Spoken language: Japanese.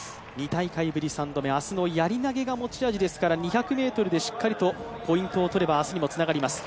２大会ぶり３度目明日のやり投げが持ち味ですから２００ｍでしっかりとポイントを取れば明日にもつながります。